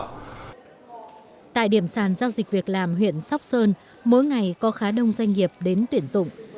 khi người lao động đến khai báo tình trạng tìm kiếm việc làm sàn giao dịch việc làm huyện sóc sơn mỗi ngày có khá đông doanh nghiệp đến tuyển dụng